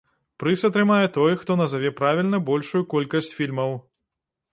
Прыз атрымае той, хто назаве правільна большую колькасць фільмаў.